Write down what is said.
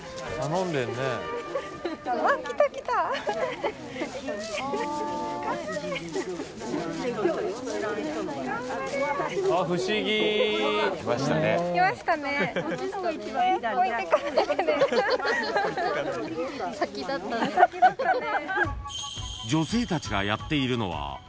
［女性たちがやっているのは］